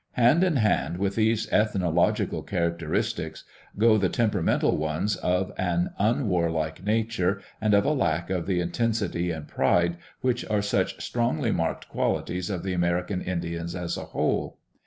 Hand in hand with these ethnological characteristics go the tem peramental ones of an unwarlike nature and of a lack of the intensity and pride which are such strongly marked qualities of the American Indians as a whole.